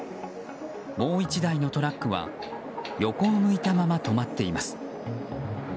もう１台のトラックは横を向いたまま止まっています。